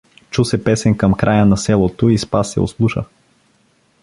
Чу се песен към края на селото и Спас се ослуша.